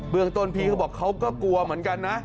เมืองต้นพี่เขาบอกเขาก็กลัวเหมือนกันนะ